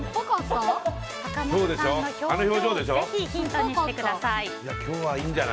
坂本さんの表情をぜひヒントにしてください。